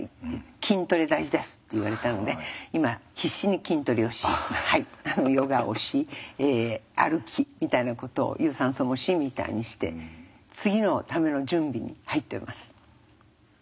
「筋トレ大事です」って言われたんで今必死に筋トレをしヨガをし歩きみたいなことを有酸素もしみたいにして次のための準備に入ってます。